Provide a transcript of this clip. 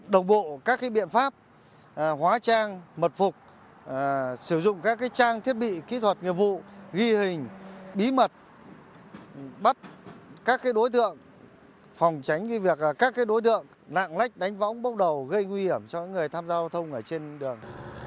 đồng bộ các biện pháp hóa trang mật phục sử dụng các trang thiết bị kỹ thuật nghiệp vụ ghi hình bí mật bắt các đối tượng phòng tránh việc các đối tượng lạng lách đánh võng bốc đầu gây nguy hiểm cho người tham gia giao thông ở trên đường